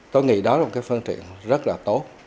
tôi nghĩ đó là một cái phương tiện rất là tốt